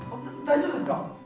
・大丈夫ですか？